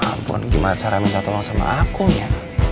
ampun gimana cara minta tolong sama aku ya